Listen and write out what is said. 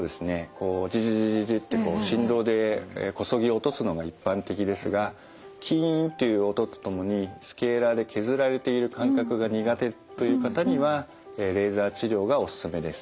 こうジジジジジってこう振動でこそぎ落とすのが一般的ですがキーンという音と共にスケーラーで削られている感覚が苦手という方にはレーザー治療がお勧めです。